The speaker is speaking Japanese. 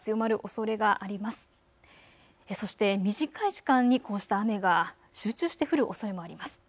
そして短い時間にこうした雨が集中して降るおそれもあります。